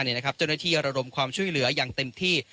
เจ้าหน้าที่ระดมความช่วยเหลืออย่างเต็มที่